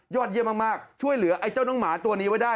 เยี่ยมมากช่วยเหลือไอ้เจ้าน้องหมาตัวนี้ไว้ได้